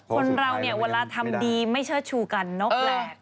คนเราเนี่ยเวลาทำดีไม่เชิดชูกันนกแปลก